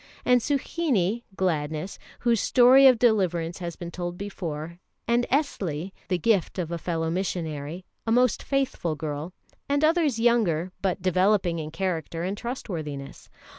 And Suhinie (Gladness), whose story of deliverance has been told before;[E] and Esli, the gift of a fellow missionary, a most faithful girl; and others younger, but developing in character and trustworthiness.